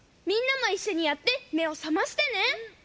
みんなもいっしょにやってめをさましてね！